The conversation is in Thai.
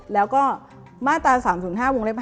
แล้วก็มาตรา๓๐๕วงเล็บ๕